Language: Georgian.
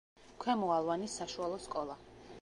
ქვემო ალვანის საშუალო სკოლა.